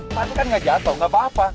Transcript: tadi kan gak jatuh gak apa apa